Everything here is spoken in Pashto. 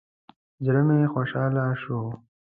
زړه مې خوشحاله شو.